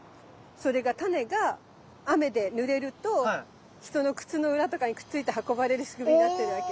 それがタネが雨でぬれると人の靴の裏とかにくっついて運ばれる仕組みになってるわけ。